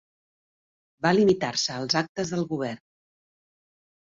Va limitar-se als actes del govern.